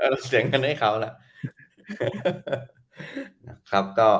เราเสียงกันให้เขาแล้ว